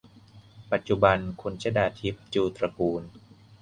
ปัจจุบัน คุณชฎาทิพ จูตระกูล